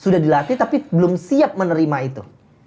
sudah dilatih tapi belum siap menerima itu